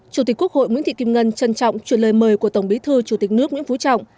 chủ tịch quốc hội nguyễn thị kim ngân trân trọng truyền lời mời của tổng bí thư chủ tịch nước nguyễn phú trọng